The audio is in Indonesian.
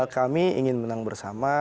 kami ingin menang bersama